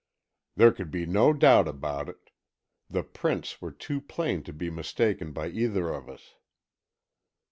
There could be no doubt about it. The prints were too plain to be mistaken by either of us.